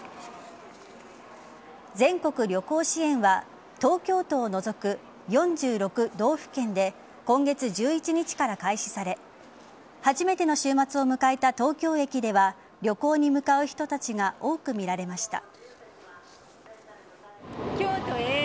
全国旅行支援は東京都を除く４６道府県で今月１１日から開始され初めての週末を迎えた東京駅では旅行に向かう人たちが多く見られました。